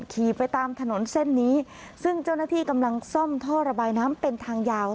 ขี่ไปตามถนนเส้นนี้ซึ่งเจ้าหน้าที่กำลังซ่อมท่อระบายน้ำเป็นทางยาว